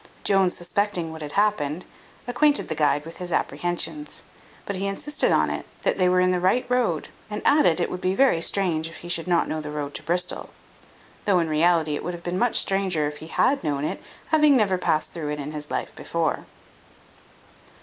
Jones suspecting what had happened, acquainted the guide with his apprehensions; but he insisted on it, that they were in the right road, and added, it would be very strange if he should not know the road to Bristol; though, in reality, it would have been much stranger if he had known it, having never past through it in his life before.